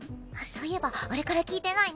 そういえばあれから聞いてないね。